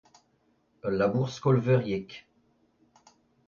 ul labour skol-veuriek